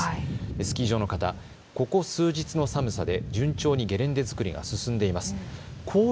スキー場の方、ここ数日の寒さで順調にゲレンデ作りが進んでいます。